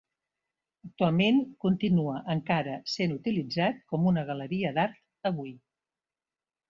Actualment, continua encara sent utilitzat com una galeria d'art avui.